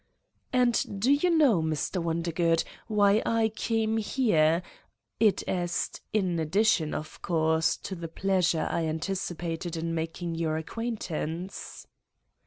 "And do you know, Mr. Wondergood, why I came here, i.e., in addition, of course, to the pleas ure I anticipated in making your acquaintance